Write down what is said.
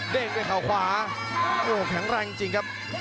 เด้งด้วยข่าวขวามองแข็งแรงจริงครับ